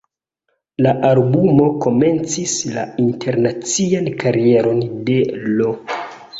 La albumo komencis la internacian karieron de Lo.